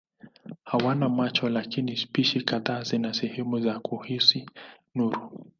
Hawana macho lakini spishi kadhaa zina sehemu za kuhisi nuru.